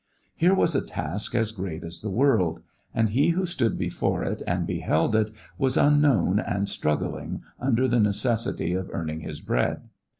Here was a task as great as the world. And he who stood before it and beheld it was unknown and struggling under the necessity of earning his bread.